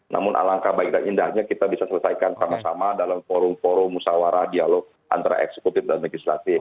namun alangkah baik dan indahnya kita bisa selesaikan sama sama dalam forum forum musawarah dialog antara eksekutif dan legislatif